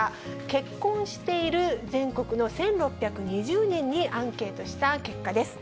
結婚している全国の１６２０人にアンケートした結果です。